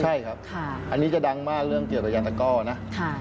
ใช่ครับอันนี้จะดังมากเรื่องเกี่ยวกับยานตะก้อนะ